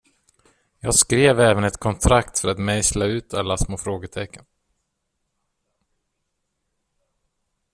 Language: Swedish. Jag skrev även ett kontrakt för att mejsla ut alla små frågetecken.